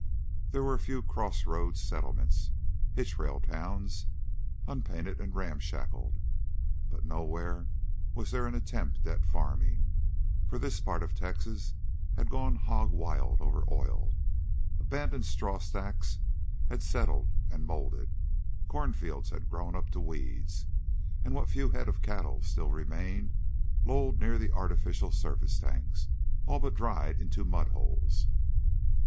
There were a few crossroads settlements "hitch rail towns" unpainted and ramshackle, but nowhere was there an attempt at farming, for this part of Texas had gone hog wild over oil. Abandoned straw stacks had settled and molded, cornfields had grown up to weeds, what few head of cattle still remained lolled near the artificial surface tanks, all but dried into mud holes.